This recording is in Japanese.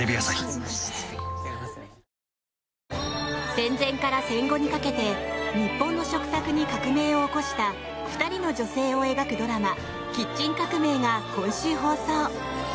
戦前から戦後にかけて日本の食卓に革命を起こした２人の女性を描くドラマ「キッチン革命」が今週放送。